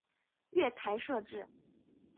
月台设置